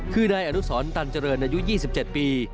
คือนายอนุสรตันเจริญอายุ๒๗ปี